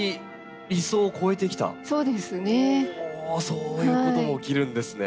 そういうことが起きるんですね。